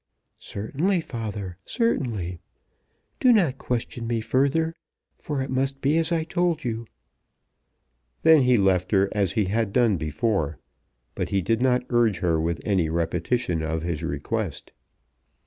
"Certainly, father, certainly. Do not question me further, for it must be as I told you." Then he left her as he had done before; but he did not urge her with any repetition of his request.